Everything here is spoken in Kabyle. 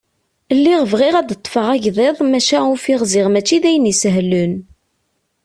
Lliɣ bɣiɣ ad ad d-ṭṭfeɣ agḍiḍ maca ufiɣ ziɣ mačči d ayen isehlen.